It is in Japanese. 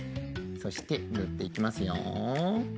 そしてぬっていきますよ。